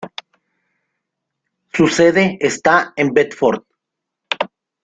Su sede está en Bedford.